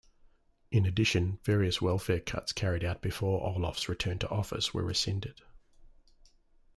In addition, various welfare cuts carried out before Olof's return to office were rescinded.